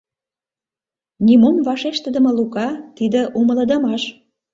Нимом вашештыдыме Лука — тиде умылыдымаш.